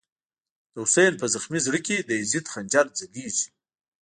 دحسین” په زخمی زړه کی، دیزید خنجر ځلیږی”